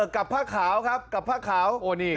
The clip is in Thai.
กับผ้าขาวครับกับผ้าขาว